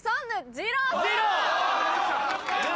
じろう！